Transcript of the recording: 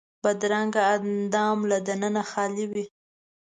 بدرنګه اندام له دننه خالي وي